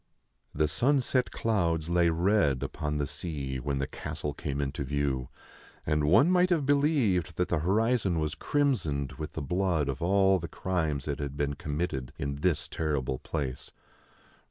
The sunset clouds lay red upon the sea when the castle came into view, and one might have believed that the horizon was crimsoned with the blood of all the crimes that had been committed in this terrible place.